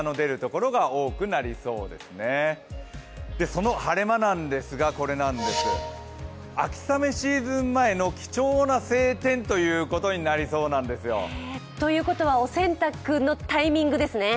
その晴れ間なんですが秋雨シーズン前の貴重な晴天ということになりそうなんですよ。ということは、お洗濯のタイミングですね。